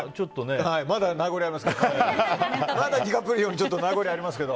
まだ名残がありますけど。